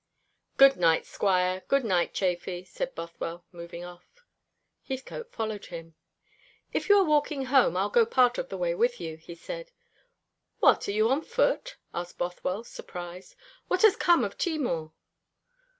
"Good night, squire; good night, Chafy," said Bothwell, moving off. Heathcote followed him. "If you are walking home, I'll go part of the way with you," he said. "What, are you on foot?" asked Bothwell, surprised. "What has become of Timour?"